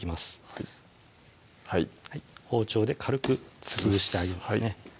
はい包丁で軽くつぶしてあげますね